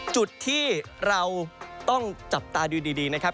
จุดที่เราต้องจับตาดูดีนะครับ